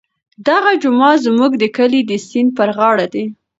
دغه جومات زموږ د کلي د سیند پر غاړه دی.